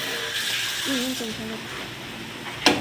Ingenting kan växa.